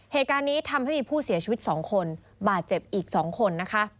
เหตุการณ์นี้ทำให้มีผู้เสียชีวิต๒คนบาดเจ็บอีก๒คนนะคะ